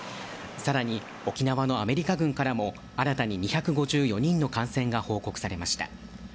更に、沖縄のアメリカ軍からも新たに２５４人の感染が報告されました。